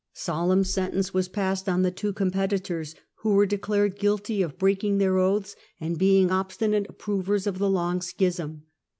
Solemn sentence was passed on the two competitors, who were declared guilty of breaking their oaths and being obstinate approvers of the long Schism.